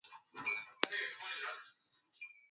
Beko na mwandama ju ana kongana na motoka